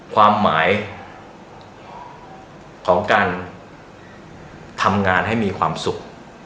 ความหมายของการทำงานให้มีความสุข